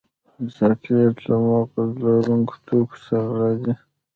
چاکلېټ له مغز لرونکو توکو سره راځي.